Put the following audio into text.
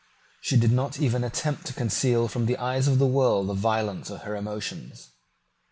She did not even attempt to conceal from the eyes of the world the violence of her emotions.